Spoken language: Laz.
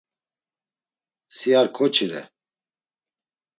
Si ar ǩoçi re.